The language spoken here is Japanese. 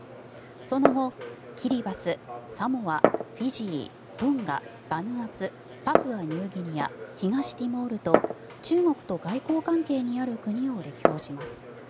その後、キリバスサモア、フィジー、トンガバヌアツ、パプアニューギニア東ティモールと中国と外交関係にある国を歴訪します。